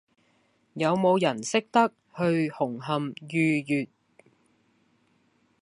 有無人識得去紅磡御悅